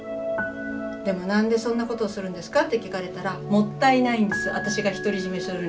でも「なんでそんなことをするんですか？」って聞かれたらもったいないんです私が独り占めするには。